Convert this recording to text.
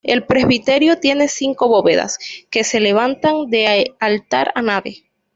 El presbiterio tiene cinco bóvedas, que se levantan de altar a nave.